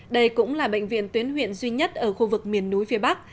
đây cũng là bệnh viện tuyến huyện duy nhất ở khu vực miền núi phía bắc